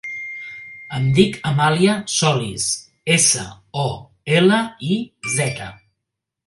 Em dic Amàlia Soliz: essa, o, ela, i, zeta.